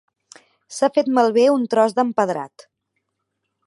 S'ha fet malbé un tros d'empedrat.